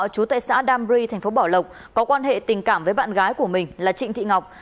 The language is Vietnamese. chú tại xã đam ri thành phố bảo lộc có quan hệ tình cảm với bạn gái của mình là trịnh thị ngọc